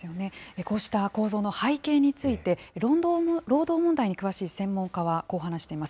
こうした構造の背景について、労働問題に詳しい専門家はこう話しています。